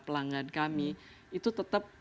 pelanggan kami itu tetap